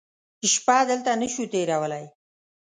شپه دلته نه شو تېرولی.